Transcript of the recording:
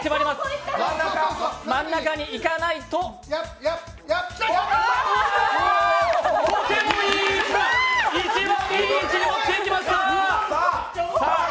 真ん中に行かないととてもいい位置だ、一番いい位置にもっていきました。